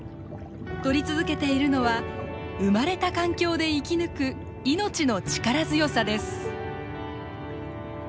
撮り続けているのは「生まれた環境で生き抜く命の力強さ」です。